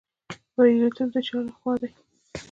بریالیتوب د چا لخوا دی؟